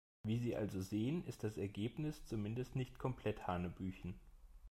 Wie Sie also sehen, ist das Ergebnis zumindest nicht komplett hanebüchen.